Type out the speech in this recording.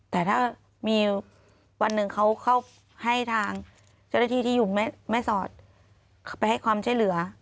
แต่ถ้ามีวันหนึ่งเขาเข้าให้ทางเจ้าหน้าที่ที่อยู่แม่สอดไปให้ความช่วยเหลือ